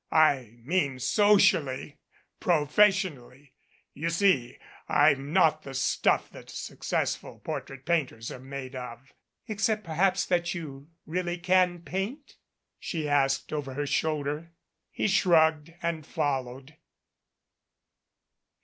"I mean socially pro fessionally. You see I'm not the stuff that successful por trait painters are made of " "Except perhaps that you really can paint?" she asked over her shoulder. He shrugged and followed.